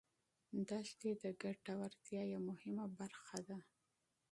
دښتې د ګټورتیا یوه مهمه برخه ده.